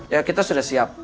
ya kita sudah siap